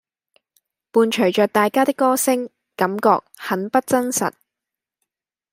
伴隨著大家的歌聲，感覺很不真實